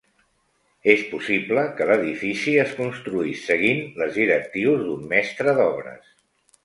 És possible que l'edifici es construís seguint les directrius d'un mestre d'obres.